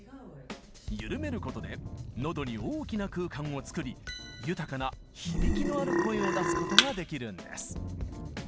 ゆるめることで喉に大きな空間を作り豊かな響きのある声を出すことができるんです。